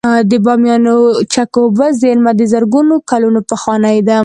د بامیانو چک اوبو زیرمه د زرګونه کلونو پخوانۍ ده